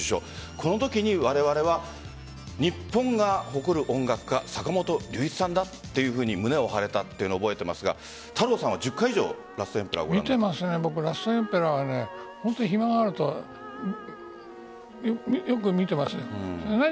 このときに、われわれは日本が誇る音楽家坂本龍一さんだというふうに胸を張れたというのを覚えていますが太郎さんは１０回以上「ラストエンペラー」「ラストエンペラー」は本当に暇があるとよく見ています。